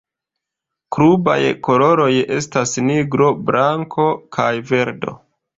Klubaj koloroj estas nigro, blanko kaj verdo.